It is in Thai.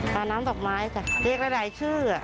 ปลาน้ำดอกไม้ค่ะเลขระดายชื่อ